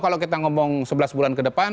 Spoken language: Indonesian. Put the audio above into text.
kalau kita ngomong sebelas bulan ke depan